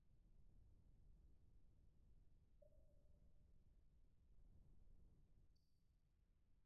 He is the current Minister of Andhra Pradesh for Animal Husbandry.